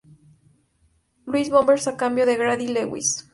Louis Bombers a cambio de Grady Lewis.